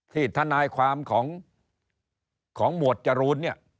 ทนายความของหมวดจรูนเนี่ย